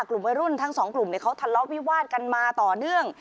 กลุ่มวัยรุ่นทั้งสองกลุ่มเขาทะเลาะวิวาดกันมาต่อเนื่อง